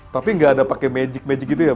tapi nggak ada pakai magic magic gitu ya